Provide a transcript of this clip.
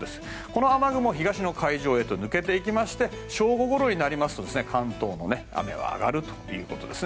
この雨雲、東の海上へと抜けていきまして正午ごろになりますと関東の雨は上がるということです。